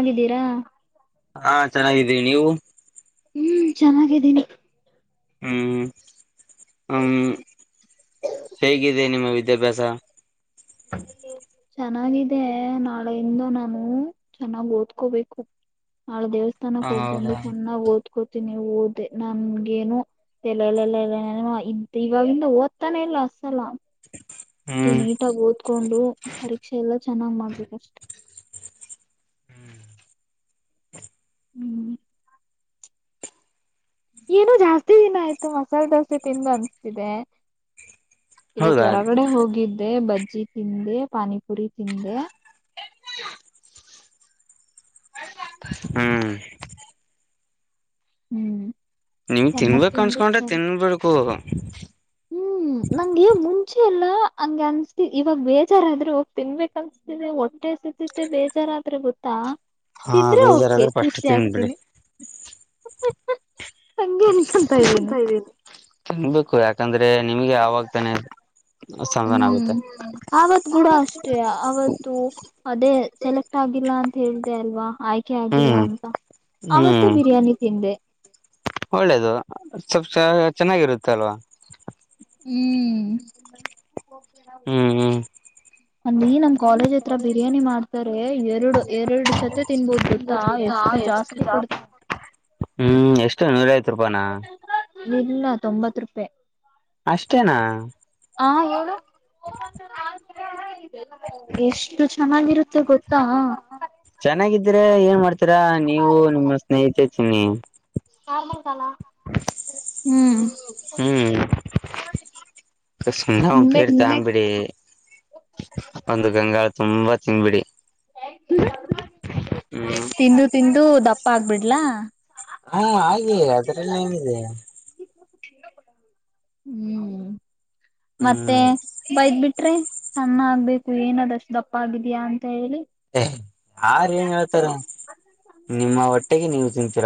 ಚೆನ್ನಾಗಿದ್ದೀರಾ ಹಾ ಚೆನ್ನಾಗಿದೀರಿ ನೀವು ಹ್ಮ್ ಚೆನ್ನಾಗಿದ್ದೀನಿ ಹ್ಮ್ ಹ ಹೇಗಿದೆ ನಿಮ್ಮ ವಿದ್ಯಾಭ್ಯಾಸ ಚೆನ್ನಾಗಿದೆ ನಾಳೆಯಿಂದ ನಾನು ಚೆನ್ನಾಗ್ ಓದ್ಕೋಬೇಕು ಅವಳ ದೇವಸ್ಥಾನಕ್ ಹ ಹೋಗ್ ಬಂದು ಹೌದಾ ಚೆಾಗ್ದ ಕತ್ಕೋತೀನಿ ಓದೆ ನಮಗೇನು ಎಲ್ಲಲ್ಲೆಲ್ಲ ಎಲ್ಲ ಇವಾಗಿಂದ ಓದ್ತಾನೆ ಇಲ್ಲ ಅಸಲ ಅದೆ ಹ್ಮ್ ನೀಟಾಗಿ ಓದ್ಕೊಂಡು ಪರೀಕ್ಷೆ ಎಲ್ಲ ಚೆನ್ನಾಗ್ ಮಾಡ್ಬೇಕಷ್ಟೆ ಹ್ಮ್ ಏನು ಜಾಸ್ತಿ ದಿನ ಆಯ್ತು ಮಸಾಲೆ ದೋಸೆ ತಿಂದು ಅನ್ಸ್ತಿದೆ ಇವತ್ ಹೌದಾ ಹೊರಗಡೆ ಹೋಗಿದ್ದೆ ಬ ಸಬ್ಜಿ ತಿಿಂದೆ ಪಾನಿಪುರಿ ತಿಿಂದೆ [unintelligible] ಹ್ಮ್ ಹ್ಮ್ ನೀವ್ ಚೆನ್ನಾಗ್ ತಿನ್ಬೇಕು ಅನ್ಸ್ಕೊಂಡ್ರೆ ತಿಂದ್ಬಿಟ್ಟು ತಿನ್ಬಡ್ು ಹ್ಮ್ ನಂಗಗೆವ ಮುಂಚೆ ಎಲ್ಲಾ ಹಂಗಗೆ ಅನ್ಸ್ತಿ ಇವಾಗ ಬೇಜಾರಾದ್ರು ಹೋಗ ತಿನ್ಬೇಕ ಅನ್ಸ್ತಿದೆ ಹೊಟ್ಟೆ ಸಿದತೆ ಬೇಜಾರಾದ್ರೆ ಗೊತ್ತಾ ಹಾ ತಿಂದ್ರೆ ಓಕೆ ಬೇಜಾರಾದ್ರೆ ಫಸ್ಟ್ ಖುಷಿ ತಿನ್ಬಿಡಿ ಆಗ್ತೀನಿ ಹಂಗೆನ್ ಅಂತ ಇದ್ದೀನೆಿ ಹ ಸಮಾಧಾನ ಹ್ಮ್ ಆಗುತ್ತೆ ಆವತ್ ಕೂಡ ಅಷ್ಟೇ ಅವತ್ತು ಅದೇ ಸೆಲೆಕ್ಟ್ ಆಗಿಲ್ಲ ಅಂತ ಹೇಳ್ದ ಅಲ್ವಾ ಆಯ್ಕೆ ಆಗಿಲ್ಲ ಹ್ಮ್ ಅಂತ ಅವತ್ತು ಹ್ಮ್ ಬಿರಿಯಾನಿ ತಿಂದೆ ಒಳ್ಳೇದು ಸ್ವಲ್ ಚೆನ್ನಾಗಿರುತ್ತೆ ಅಲ್ವಾ ಹ್ಮ್ ಹ್ಮ್ ಹ್ಮ್ ಅಲ್ಲಿ ನಮ್ ಕಾಲೇಜ್ ಹತ್ರ ಬಿರಿಯಾನಿ ಮಾಡ್ತಾರೆ ಎರಡು ಎರಡು ಸತಿ ತಿನ್ಬೋದು ಗೊತ್ತಾ ಎಷ್ಟು ಜಾಸ್ತಿ ಕೊಡ್ತ ಹ್ಮ್ ಎಷ್ಟು ನೂರೈವತ್ತು ರೂಪಾನಾ ಇಲ್ಲ ತೊಂಬತ್ ರೂಪಾಯಿ ಅಷ್ಟೇನಾ ಹ ಎ ಎಷ್ಟು ಚೆನ್ನಾಗಿರುತ್ತೆ ಗೊತ್ತಾ ಹತ್ರ ನೀವು ನಿಮ್ಮ ಸ್ನೇಹಿತ ಹನ [unintelligible] ಹ್ಮ್ ಹ್ಮ್ ಕ ತಿನ್ಬೇಕ ಪೇರ್ ತಂಗ್ ಬಿಿಡಿ ಒಂದು ಗಂಗಾ ತುಂಬಾ ಹಂಗ ಬಿಡಿ ಹ್ಮ್ ತಿಂದು ತಿಂದು ದಪ್ಪ ಆಗ್ಬಿಡ್ಲಾ ಹಾ ಹಾಗೆ ಅದ್ರಲ್ಲ ಏನಿದೆ ಹ್ಮ್ ಮತ್ತೆ ಹ್ಮ್ ಬೈದ್ ಬಿಟ್ರಿ ಚನ್ನ ಆಗ್ಬೇಕು ಏನದಷ್ಟು ದಪ್ಪ ಆಗಿದ್ಯಾ ಅ ಯಾರ ಏನ್ ಹೇಳ್ತಾರ ನಿಮ್ಮ ಹೊಟ್ಟೆಗೆ ನೀವು ತಿಂತೀ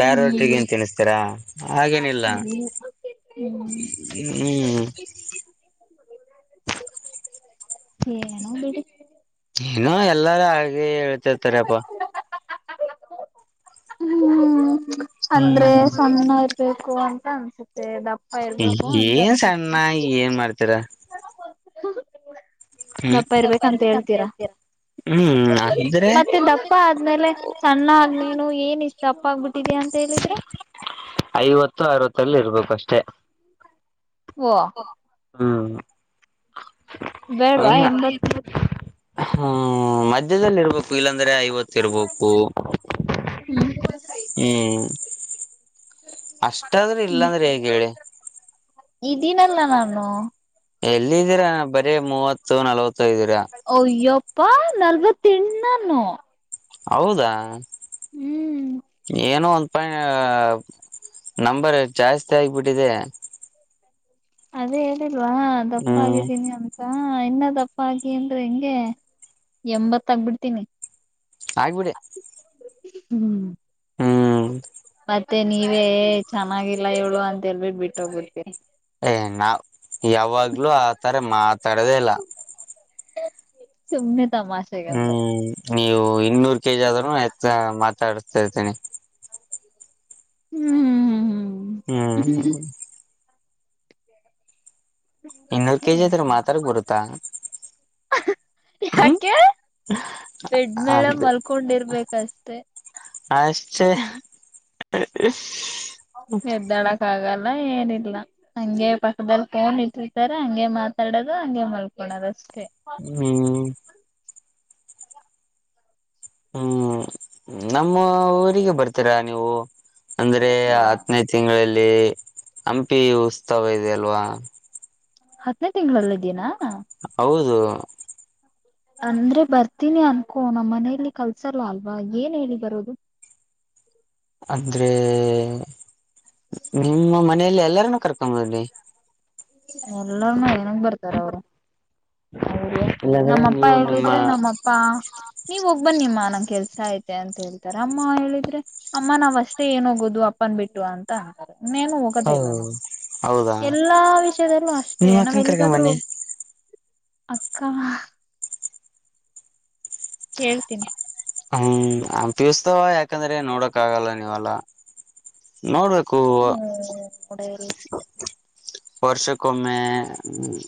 ಬೇರೆ ಒಟ್ರಗ ಏನ್ ತಿನ್ಸ್ತಾರಾ ಹಾಗೇನಿಲ್ಲ ಹ್ಮ್ ಹ್ಮ್ ಏನ ಬಿಡಿ ಏನೋ ಎಲ್ಲಾರು ಹಾಗೆ ಹೇಳ್ತಿರ್ತಾರಪ್ಪಾ ಹ್ಮ್ ಅಂದ್ರೆ ಸಣ್ಣ ಇರ್ಬೇಕು ಅಂತ ಅನ್ಸುತ್ತೆ ದಪ್ಪ ಇರ್ಬೇಕು ಅಂತ ಏನ್ ಅನ್ಸೆ ಸಣ್ಣ ಏನ್ ಮಾಡ್ತೀರಾ ಹ ಸ್ವಲ್ಪ್ಪ ಇರ್ಬೇಕಂತ ಹೇಳ್ತೀರಾ ಮತ್ತೆ ದಪ್ಪ ಆದ್ಮೇಲೆ ಸಣ್ಣ ಆಗ್ ನೀನು ಏನ ಇಷ್ಟ ತಪ್ಪಾಗಬಿಟ್ಟಿದ್ಯಾಯ ಅಂತ ಹೇಳಿದ್ರೆ ಐವತ್ತು ಅರವತ್ತಲ್ಲಿ ಇರ್ಬೇಕು ಅಷ್ಟೆ ಓ ಹ್ಮ ಬೇಡ್ವಾ ಹ ಎಂಬತ್ ಹ್ಮ್ ಮಧ್ಯದಲ್ಲಿ ಇರ್ಬೇಕು ಇಲ್ಲಾಂದ. ಹ್ಮ. ಅಷ್ಟಾದ್ರೆ ಇಲ್ಲಾ ಅಂದ್ರೆ ಹೇಗೆ ಹೇಳಿ. ಇದೀಿನಲ್ಲ ನ್ಣು. ಎಲ್ಲಿದ್ದೀರಾ ಬರೀ ಮೂವತ್. ಸೌ ನಲ. ಯ. ಪ್ಪಾ ನಲ್ವತ್ತೆಣ್ಣ ನೋ. ಹೌದಾ. ಹ್ಮ್. ಅಾಯ ನಂಬರ್ ಜಾಸ್ತಿ ಆಗ್ಬಿಟ್ಟಿದೆ. ಅದೇ ಇಲ್ವಾ ಹ್ಮ್ ದಪ್ಪಾಗಿದ್ದೀನಿ ಅಂತ ಹಾ ಇನ್ನದಪ್ಪ ಹಾಗಗಿ ಅಂದ್ರೆ ಹೆಂಗೆ ಎಂಬತ್ತಗ್ಬಿಡ್ತೀನಿ ಆಗ್ಬಿಡಿ ಹ್ಮ್ ಹ್ಮ್ ಮತ್ತೆ ನೀವೇ ಚೆನ್ನಾಗಿಲ್ಲ ಇವಳು ಅಂತ ಎೇಳ್ಬಿಟ್ಟ ಬಿಟ್ಟೋಗದಿ ಏ ನಾವ ಯಾವಾಗ್ಲೂ ಆ ತರ ೆ ಮಾತಾಡೋದೇ ಇಲ್ಲ ಸುಮ್ಮ ಹ್ಮ ಹ ನೀವು ಇನ್ನೂರ್ ಕೆಜಿ ಆದ್ರೂ ಹೆಚ್ಚ ಮಾತಾಡಸ್ತಾ ಇರ್ತೀನಿ ಹ್ಮ್ ಹ್ಮ್ ಹ್ಮ್ ಹ್ಮ್ ಹ್ಮ್ ಇನ್ನೂರ್ ಕೆಜಿ ಆದ್ರ ಮಾತಾಡಕ್ ಬರುತ್ತಾ ಹ್ಮ್ ಯಾಕೆ ಬೆಡ್ಮೇಲೆ ಅಂತ ಮಲ್ಕೊಂಡಿರ್ಬೇಕಷ್ಟೆ ಅ ಎದ್ದಾಡಕ್ ಆಗಲ್ಲ ಲ್ಲ ಏನಿಲ್ಲ ಹಂಗೆ ಪಕ್ಕದಲ್ಲಿ ಫೋನ್ ಇಟ್ಟಿರ್ತಾರೆ ಹಂಗೆ ಮಾತಾಡೋದು ಹಂಗೆ ಮಲ್ಕೊಳೋದು ಅಷ್ಟೇ ಹ್ಮ್ ಹ್ಮ್ ನಮ್ಮ ಊರಿಗೆ ಬರ್ತೀರಾ ನೀವು ಅಂದ್ರೆ ಬಾ ಹತ್ತನೇದು ತಿಂಗಳಲ್ಲಿ ಲ್ಲಿ ಹಂಪಿ ಉತ್ಸವ ಇದೆ ಅಲ್ವಾ ಹತ್ತನೇ ತಿಂ್ಗಳಲ್ಲ ಇದೀನಾ ಹೌದು ಅಂದ್ರೆ ಬರ್ತೀನಿ ಅನ್ಕೋ ನಮ್ಮ ಮನಲಿ ಕಲ್ಸಲ್ಲ ಅಲ್ವಾ ಏನ್ ಹೇಳಿ ಬರೋದು ಆದ್ರೆ ನಿಮ್ಮ ಮನೇೆಯಲ್ಲಿ ಎಲ್ಲಾರನುೂ ಕರ್ಕೊಂಬೋಡಿ ಎಲ್ಲಾರ್ನು ಏನಾಗ ಬರ್ತಾರ ಅವರು ಅವರು ಇಲ್ಲಾಂದ್ರೆ ನಮ್ಮಪ್ಪ ನೀವು ನಿಮ್ಮ ಹೇಳಿದ್ರೆ ನಮ್ಮಪ್ಪಾ ನೀವ ಹೋಗ್ಬನ್ನಿ ನಿಮ್ಮ ನಂ ಕೆಲ್ಸ ಐತೆ ಅಂತ ಹೇಳ್ತಾರೆ ಅಮ್ಮ ಹೇಳಿದ್ರೆ ಅಮ್ಮ ನಾವ್ ಅಷ್ಟೇ ಏನ್ ಹೋಗೋುದು ಅಪ್ಪನ್ ಬಿಟ್ಟು ಅಂತ ಅಂತಾರೆ ನೇನು ಹೋಗದೇ ಹ ಇಲ್ಲ ನಾವು ಹೌದಾ ಎಲ್ಲಾ ವಿಷಯ ಅಷ್ಟೇ ನಿಮ್ ನಾವ್ ಅಕ್ಕನ್ ಕರ್ಕೊಂಡ್ ಎಲ್ಲಿಗಾದರೂ ಬನ್ನಿ ಅಕ್ಕಾ ಕೇಳ್ತೀನಿ ಹೂ ಅಂಪಿಸ್ತವ ಯಾಕಂದ್ರೆ ನೋಡಕ್ ಆಗಲ್ಲ ನೀವಲ್ಲಾ ನೋಡ್ಬೇಕ ಗೋವಾ ನೋಡ ಎಲ್ಲ ವರ್ಷ ಕೊಮ್ಮೆ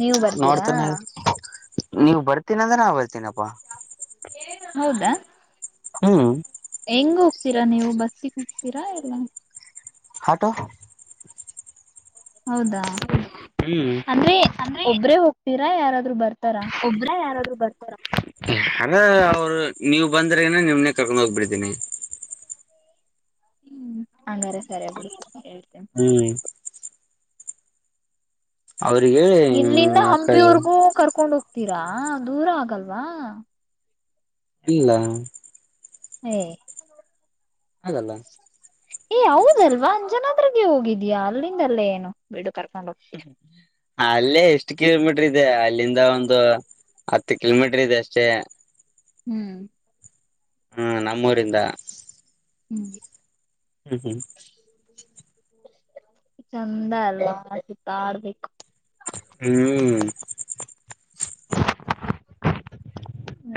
ನೀವು ಬರ್ತೀರಾ ನೀವು್ ಬರ್ತೀನಿ ಅಂದ್ರೆ ನಾವು ಬರ್ತೀನಪ್ಪಾ ಹೌದಾ ಹೂ ಹೆಂಗ ಹೋಗ್ತೀರಾ ನೀವು ಬಸ್ಸಿಗೆ ಹೋಗ್ತೀರಾ ಇಲ್ಲ ಆಟೋ ಹೌದಾ ಹ್ಮ್ ಅಂದ್ರೆ ಒಬ್ರೇ ಹೋಗ್ತರ ಯಾರಾದ್ ಬತ ಒಬ್ಬ್ರ ಯಾರಾದ್ರು ಅದ ಅವ್ರು ನೀವ್ ಬಂದ್ರೆ ಏನ ನಿವ್ನೆೇ ಕರ್ಕೊಂಡ್ ಹೋಗ್ಬಿಡ್ತೀನಿ ಹೂ ಹಂಗಾರ ಸರಿ ಬಿಡು ಹೇಳ್ತೀನಿ ಹ್ಮ್ ಅವ್ರಿಗೆ ಇಲ್ಲಿಂದ ಆ ಕಡೆ ಹಂಪಿವರ್ಗೂ ಕರ್ಕೊಂಡುೋಗ ಹತೀರಾ ದೂರ ಆಗಲ್ವಾ ಇಲ್ಲ ಹೇ ಹಾಗಲ್ಲ ಏ ಹೌದಲ್ವಾ ಅಂಜನಾದ್ರಗೆ ಹೋಗಿದಯಾ ಅಲ್ಲಿಂದಲ್ಲೇ ಏನು ಬಿಡು ಕರ್ಕೊಂಡು ಹೋಗ್ತಿಯಾ ಅಲ್ಲೇ ಎಷ್ಟು ಕಿಲೋಮೀಟರ್ ಇದೆ ಅಲ್ಲಿಂದ ಒಂದು ಹತ್ತು ಕಿಲೋಮೀಟರ್ ಇದೆ ಅಷ್ಟೇ ಹೂ ಹಾ ನಮ್ಮೂರಿಂದ ಹಂಗೆ ಹೂ ಹೂ ಚಂದ ಅಲ್ಲ ಚತಡ್ಬೇಕಕ್ ಹೂ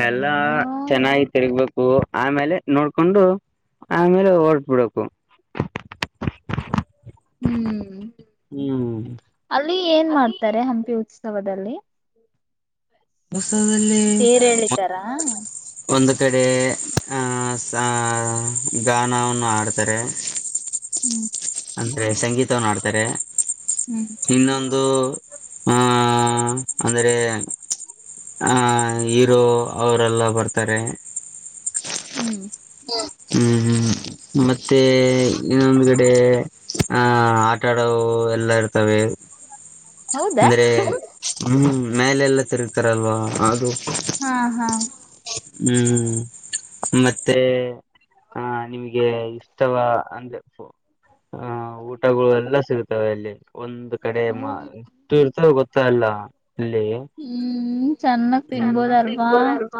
ಎಲ್ಲಾ ಏನೇನೋ ಇದ ಚೆನ್ನಾಗಿ ತಿರ್ಗ್ಬೇಕು ಆಮೇಲೆ ನೋಡ್ಕೊಂಡು ಆಮೇಲೆ ಹೊರ್ಟ್ಬಿಡ್ು ಹೂ ಅಲ್ಲಿ ಏನ್ ಮಾಡ್ತಾರೆ ಹಂಪಿ ಉತ್ಸವದಲ್ಲಿ ಮು ಉತ್ಸವದಲ್ಲಿ ತೇರ್ ಎಳಿತಾರಾ ಒನ್ ಕಡೆ ಆಹ ಗಾನವನ್ನು ಆಡ್ತಾರೆ ಹ್ಮ್. ಅಂದ್ರೆ ಸಂಗೀತ್ ನೋಡ್ತಾರೆ ಹ್ಮ್ ತ್ತರ ಇನ್ನೊಂದು ಆ ಅಂದ್ರೆ ಆ ಹರೋ ಅವರೆಲ್ಲ ಬರ್ತಾರೆ ಹ್ಮ್ ಹ್ಮ್ ಹ್ಮ್ ಮತ್ತ ತ್ತ ಇನ್ನ ಒಂದು ಕಡೆ ಹ ಆಟ ಆಡವು ಎಲ್ಲಾ ಇರ್ತದೆ ತಮೇ ಹೌದಾ ಅಂದ್ರೆ ಹ್ಮ್ ಮೇಲೆಲ್ಲ ತಿರುತಾರಲ್ವಾ ಅದು ಹಾ ಹಾ ಹ್ಮ್. ಮತ್ತೆ ಹ ನಿಮಗ್ ಗೆ ಇಷ್ಟವಾ ಅಂದ್ರೆ. ಹ ಊಟಗಳು ಎಲ್ಲ ಸಿಗತವೆ ಅಲ್ಲಿ ಒಂದು್ ಕಡೆ ಮಾ ಇರ್ತ ಗೊತ್ತ ಇಲ್ಲ. ಇಲ್ಲಿ ಹ್ಮ್ ಚೆನ್ನಾಗ್ ಚನ್ನ ತಿನ್ಬೋದಲ್ವಾ ಸಿಬೋದಾರಮ್ಮ.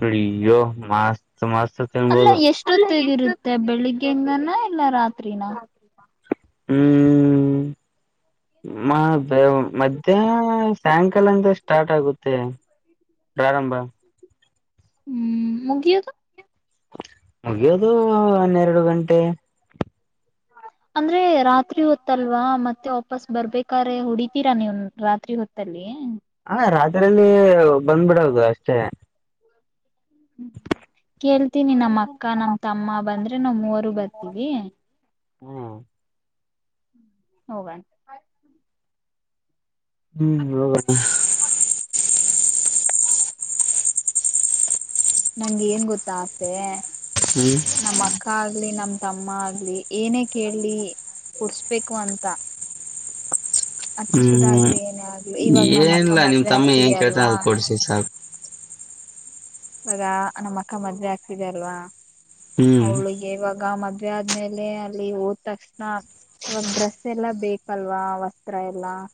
ಪ್ರಿಯ ಮಾಸ್. ಅಲ್ಲ ಎಷ್ಟೊತ್ತಗಿರುತ್ತೆ ಬೆಳಿಗ್ಗೆಯಿಂದನ ಇಲ್ಲ ರಾತ್ರಿಿನ ಹ್ಮ್ ಮ ಮಧ್ಯಾಹ್ ಸಾಯಂಕಾಲ ಅಂದ ಸ್ಟಾರ್ಟ್ ಆಗುತ್ತೆ ಪ್ರಾರಂಭ ಹ್ಮ್ ಮುಗಿಯತ. ಮುಗಿಯೋದು ಒನ್ನೆರಡು ಗಂಟೆ ಅಂದ್ರೆ ರಾತ್ರಿ ಹೊತ್ತಲ್ವಾ ಮತ್ತೆ ವಾಪಸ್ ಬರ್ಬೇಕ್ರೆ ಹೊಡಿತೀರಾ ನೀವ್ ರಾತ್ರಿ ಹೊತ್ತಲ್ಲಿ ಹಾ ರಾತ್ರಿಲ್ಲಿ ಬಂದ್ಬಿಡದು ಅಷ್ಟೇ ್ಮ ಕೇಳ್ತೀನಿ ನಮ್ಮ ಅಕ್ಕ ನಮ ತಮ್ಮ ಬಂದ್ರೆ ನಾವ್ ಮೂವರು ಬರ್ತೀವಿ ಹ್ಮ್. ಹೋಗಣ. ಹ್ಮ್. ನಂಗೆ ಏನ್ ಗೊತ್ತಾ ಆಸೆ [unintelligible] ಹ್ಮ್ ನಮ್ಮ ಅಕ್ಕ ಆಗ್ಲಿ ನಮ್ಮ [unintelligible] ತಮ್ಮ ಆಗ್ಲಿ ಏನೇ ಕೇಳಲಿ ಕುಡ್ಸ್ಬೇಕು ಅಂತ [unintelligible] ಅದ್ ಹ್ಮ್ ಚಿಕ್ಕದಾಗ್ಲಿ ಏನೇ ಆಗ್ಲಿ ಇವಾಗ ನಮ್ಮ ಅಕ್ಕ ಏನಿಲ್ಲ ನಿಮ್ ಮದ್ವೆ ತಮ್ಮ ಏನ್ ಆಗ್ತಿದೆ ಕೇಳ್ತನ ಅಲ್ವಾ ಅದ್ನ ಕೊಡ್ಸಿ ಸಾಕು [unintelligible] ಇವಾಗ ನಮ್ಮ ಅಕ್ಕ ಮದ್ವೆ ಆಗ್ತಿದೆ ಅಲ್ವಾ [unintelligible] ಹ್ಮ್ ಅವ್ಳಿಗೆ ಇವಾಗ ಮದೆ [unintelligible] ಆದ್ಮೇಲೆ ಅಲ್ಲಿ ಹೊದ್ ತಕ್ಷಣ ಇವಾಗ ಡ್ರೆಸ್ ಎಲ್ಲ ಬೇಕಲ್ವಾ ವಸ್ತ್ರ ಎಲ್ಲಾ [unintelligible]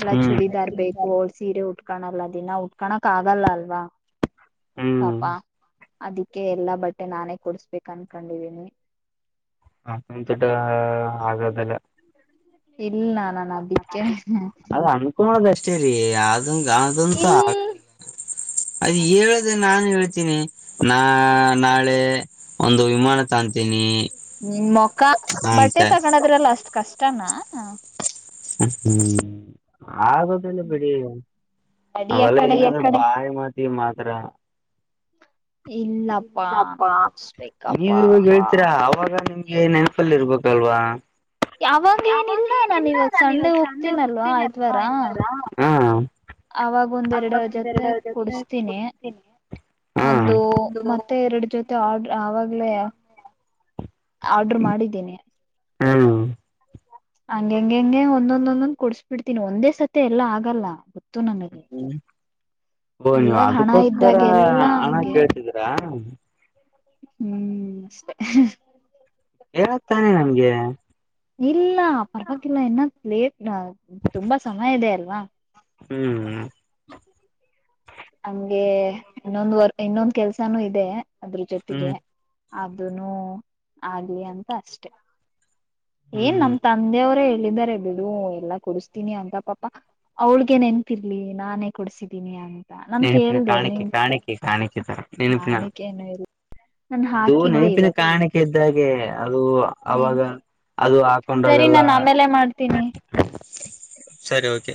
ಎಲ್ಲ ಹ್ಮ್ ಚೂಡಿದಾರ್ ಬೇಕು ಅವ್ಳು ಸೀರೆ ಉಟ್ಕನಲ್ಲ ದಿನ ಉಟ್ [unintelligible] ಕಣಕ್ ಆಗಲ್ಲ ಅಲ್ವಾ [unintelligible] ಹ್ಮ್ ಪಪಾ ಆದಿ [unintelligible] ಎಲ್ಲ ಬಟ್ಟೆ ನಾನೇ ಕೊಡ್ಸ್ [unintelligible] ಬೇಕ್ ಅಂಕಂಡಿಧಿನಿ [unintelligible] ಹ ಒಂತುಡ್ಡ ಆಗದಲ್ಲ [unintelligible] ಇಲ್ಲ ನನ್ [unintelligible] ಅದಿಕ್ಕೆ [unintelligible] ಕೋದ ಅಷ್ಟೇ ರೀ [unintelligible] ಅದಂತ ಇಲ್ ಆಗ ಐ ಹೇಳದೆ ನಾನ್ ಹಳ್ [unintelligible] ನಾ ನಾಳೆ ಒಂದು ವಿಮಾನ ತನಿ [unintelligible] ನಿಮ್ ಮೊಖ ಅಂತ ಬಟ್ಟೆ ತಗನದ್ರಲ್ಲ ಅಷ್ಟ ಕಷ್ಟ [unintelligible] ಇಷ್ಟಾನ [unintelligible] ಹ್ಮ್ [unintelligible] ಆಗೊದಲ್ಲ ಬಿಡಿ ನಡಿ ಆ ಕಡೆ ಅವೆಲ್ಲ ಬಾಯಿ ಮಾತಿ [unintelligible] ಮಾತ್ರ [unintelligible] ಇಲ್ಲಪ್ಪಾ ಕೊಡ್ಸ್ಬೇಕಪ್ಪಾ ಇಗ ಹೇಳ್ತೀರಾ ಅವಾಗ [unintelligible] ಇವಾ ನೆನಪಲ್ಲಿ ಇರ್ಬೇಕಲ್ವಾ [unintelligible] ಯಾವಾಗ ಏನಿಲ್ಲ ನಾನ ಇವಾಗ ಸಂಡೆ ಹೋಗ್ತೀನಲ್ವ ಆಯ್ತ್ ವಾರ ಹಾ ಅವಾಗ ಒಂದ್ರಡು ಜೊತೆ ಕುಡಸ್ತೀನಿ ಹಾ ಒಂದು [unintelligible] ಮತ್ತೆ ಎರಡು ಜೊತೆ ಆಡ್ರ ಆವಾಗ್ಲೇ [unintelligible] ಆರ್ಡ್ರ ಮಾಡಿದ್ದೀನಿ [unintelligible] ಹ್ಮ [unintelligible] ಹಂಗ ಹಂಗಗೆ ಹಂಗೆ ಒಂದೊಂದೊಂದೊಂದ್ ಕೊಡ್ಸ್ಬಿಡ್ತೀನಿ ಒಂದೇ ಸತಿ ಎಲ್ಲ ಆಗಲ್ಲ [unintelligible] ಹ್ಮ್ [unintelligible] ಓ ನೀವು ಇವಾಗ ಹಣ ಅದಕ್ಕೋಸ್ಕರ ಇದ್ದಾಗ ಎಲ್ಲಾ ಹಣ ಹಂಗೆ ಕೇಳ್ತಿದ್ರಾ [unintelligible] ಹ್ಮ್ ಅಷ್ಟೇ [unintelligible] ಹೇಳ್ದ ತಾನೆ ನಂಗೆ [unintelligible] ಇಲ್ಲ ಪರ್ವಾಗಿಲ್ಲ ಇನ್ನ. ಲೇಟ್ ತುಂಬಾ ಸಮಯ ಇದೆ ಅಲ್ವಾ. ಹ್ಮ್. ನಮ್ಗೆ ಇನ್ನೊಂದ್ ವರ್ ಇನ್ನೊಂದ ಕೆಲ್ಸಾನು ಇದೆ. ಅದ್ರ ಜೊತೆಗೆ. ಹ್ಮ್ ಅದನು ಆಗ್ಲಿ ಅಂತ ಅಷ್ಟೆ. ಏನ್ ಹ್ಮ್ ನಮ್ ತಂದೆಯವರೇ. ಿದ್ದಾರೆ ಬಿಡು ಎಲ್ಲ ಕೊಡಿಸ್ತೀನಿ ಅಂತ ಪಾಪಾ ಅವಳ್ಗ ನೆನ್ಪಿರ್ಲಿ ನಾನೇ ಕೊಡ್ಸಿದೀನಿ ಅ. ನೆನಪಿನ ಕಾಣಿಕೆ ಕಾಣಿಕೆ ಕಾಣಿಕೆ ತರ ನೆನಪಿನ ಕಾಣಿಕೆನು ಇಲ್ಲ ನಾನ್ ಅದು ಹಾಕಿದ್ದೆ ನೆನಪಿನ ಇವತ್ತು ಕಾಣಿಕೆ ಇದ್ದಾಗ. ಹ್ಮ್ಮ್. ಅದು ಅವಾಗ. ನೀನ್ ಅದು ಸರಿ ಹಾಕೊಂಡಾಗಲ್ಲ ನಾನ್ು ಆಮೇಲೆ ಮಾಡ್ತೀನಿ. ಸರಿ ಓಕೆ.